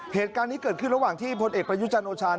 เหตุการณ์นี้เกิดขึ้นระหว่างที่พลเอกประยุจันทร์โอชา